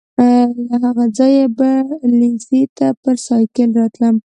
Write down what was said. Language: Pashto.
له هغه ځایه به لېسې ته پر سایکل راتلم.